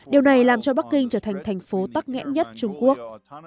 điều này làm cho bắc kinh trở thành thành phố tắc nghẽn nhất trung quốc